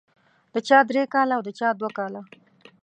د چا درې کاله او د چا دوه کاله.